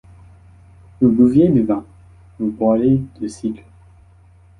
Vous buviez du vin, vous boirez du cidre.